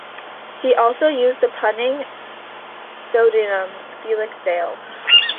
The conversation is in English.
He also used the punning pseudonym Felix Dale.